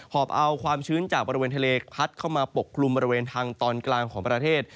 อบเอาความชื้นจากบริเวณทะเลพัดเข้ามาปกกลุ่มบริเวณทางตอนกลางของประเทศ